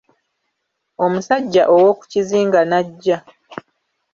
Omusajja ow'oku kizinga n’ajja.